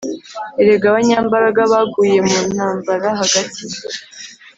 Erega abanyambaraga baguye mu ntambara hagati!